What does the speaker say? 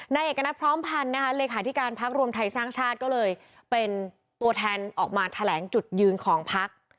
นายเอกณัฐพร้อมพันธ์นะคะเลขาธิการพักรวมไทยสร้างชาติก็เลยเป็นตัวแทนออกมาแถลงจุดยืนของพัก